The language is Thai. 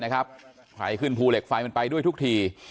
ใครขึ้นภูเหล็กไฟมันไปด้วยทุกที